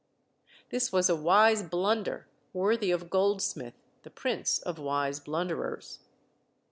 This was a wise blunder, worthy of Goldsmith, the prince of wise blunderers.